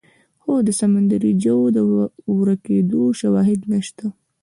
خو د سمندري ژوو د ورکېدو شواهد نشته.